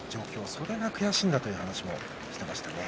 それが悔しいんだという話もしていましたね。